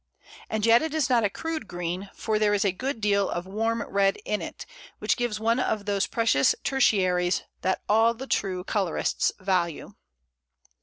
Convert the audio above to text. And yet it is not a crude green, for there is a good deal of warm red in it, which gives one of those precious tertiaries that all true colourists value."